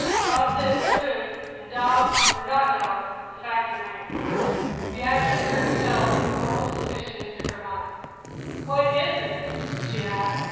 Rob said it was good, and, dog or not dog, the fact remains." Beatrice turned pale as a horrible suspicion entered her mind. "What is it?" she asked.